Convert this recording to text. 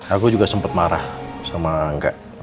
aku juga sempet marah sama angga